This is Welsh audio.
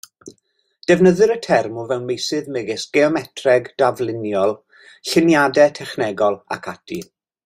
Defnyddir y term o fewn meysydd megis geometreg dafluniol, lluniadau technegol, ac ati.